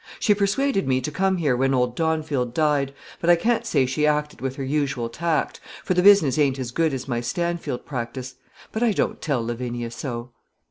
She persuaded me to come here when old Dawnfield died; but I can't say she acted with her usual tact, for the business ain't as good as my Stanfield practice; but I don't tell Lavinia so."